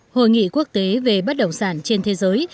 hội nghị quốc tế về bất động sản trên thế giới